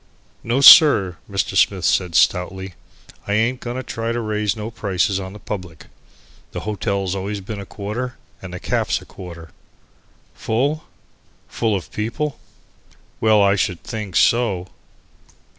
"No, sir," Mr. Smith said stoutly, "I ain't going to try to raise no prices on the public. The hotel's always been a quarter and the caff's a quarter." Full? Full of people? Well, I should think so!